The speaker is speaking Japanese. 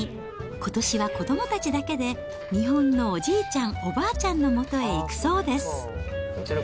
ことしは子どもだちだけで、日本のおじいちゃん、おばあちゃんのもとへ行くそうです。